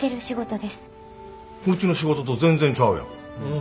うちの仕事と全然ちゃうやん。